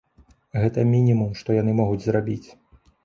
Гэта мінімум, што яны могуць зрабіць.